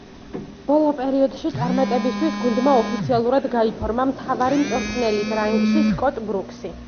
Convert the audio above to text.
ბოლო პერიოდში წარმატებისთვის, გუნდმა ოფიციალურად გაიფორმა მთავარი მწვრთნელის რანგში სკოტ ბრუქსი.